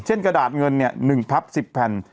กระดาษเงิน๑พับ๑๐แผ่น